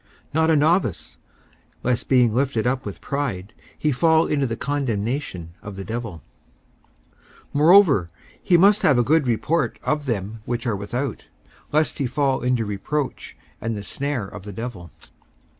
54:003:006 Not a novice, lest being lifted up with pride he fall into the condemnation of the devil. 54:003:007 Moreover he must have a good report of them which are without; lest he fall into reproach and the snare of the devil.